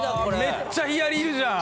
めっちゃヒアリいるじゃん。